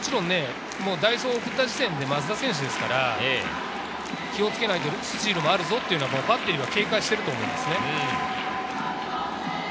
代走を送った時点で増田選手ですからスチールもあるぞというふうにバッテリーは警戒していると思います。